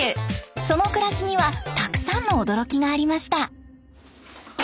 その暮らしにはたくさんの驚きがありました。